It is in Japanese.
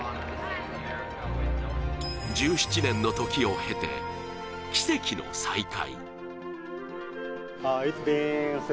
１７年の時を経て、奇跡の再会。